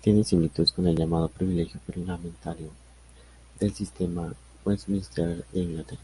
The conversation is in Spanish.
Tiene similitud con el llamado Privilegio parlamentario del Sistema Westminster de Inglaterra.